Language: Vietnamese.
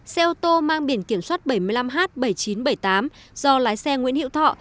xe ô tô mang biển kiểm soát bảy mươi năm h bảy nghìn chín trăm bảy mươi tám do lái xe nguyễn hữu thọ